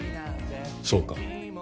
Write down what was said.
そうか。